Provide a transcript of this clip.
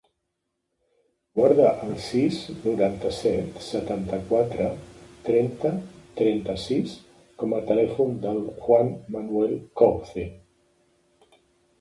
Guarda el sis, noranta-set, setanta-quatre, trenta, trenta-sis com a telèfon del Juan manuel Couce.